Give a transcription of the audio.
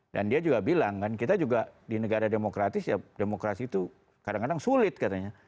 dan dia juga bilang kan kita juga di negara demokratis ya demokrasi itu kadang kadang sulit katanya